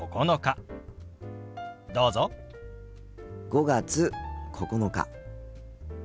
５月９日。